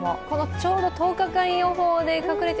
ちょうど１０日間予報で隠れて